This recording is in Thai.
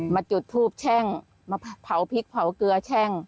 จุดทูบแช่งมาเผาพริกเผาเกลือแช่ง